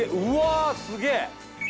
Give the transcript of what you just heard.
うわすげぇ！